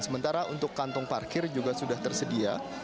sementara untuk kantong parkir juga sudah tersedia